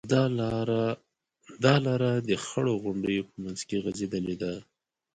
دا لاره د خړو غونډیو په منځ کې غځېدلې ده.